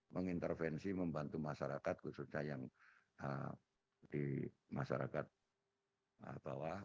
mengintervensi membantu masyarakat khususnya yang di masyarakat bawah